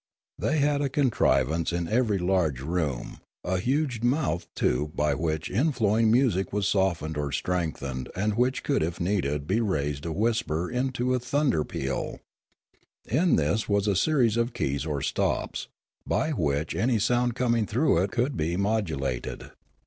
They had a contriv ance in every large room, a huge mouthed tube by which inflowing music was softened or strengthened and which could if need be raise a whisper into a thunder peal ; in this was a series of keys or stops, by which any sound coming through it could be modu lated.